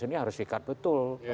ini harus dikat betul